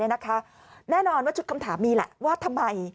แน่นอนว่าชุดคำถามมีแหละว่าทำไม